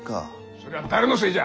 それは誰のせいじゃ。